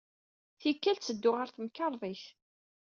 Tikkal, ttedduɣ ɣer temkarḍit.